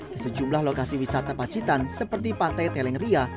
di sejumlah lokasi wisata pacitan seperti pantai teleng ria